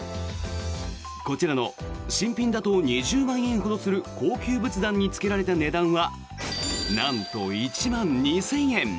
こちらの新品だと２０万円ほどする高級仏壇につけられた値段はなんと１万２０００円。